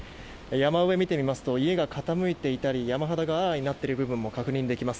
山上見てみますと家が傾いていたり山肌があらわになっている部分も確認できます。